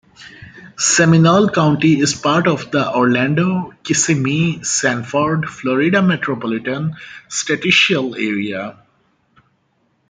Seminole County is part of the Orlando-Kissimmee-Sanford, Florida Metropolitan Statisticial Area.